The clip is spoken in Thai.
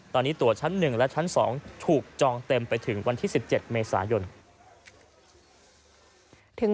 ตอนนี้ตัวชั้นหนึ่งและชั้นสองถูกจองเต็มไปถึงวันที่สิบเจ็ดเมษายนถึง